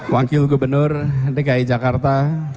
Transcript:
wakil gubernur dki jakarta